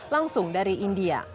langsung dari india